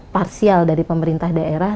parsial dari pemerintah daerah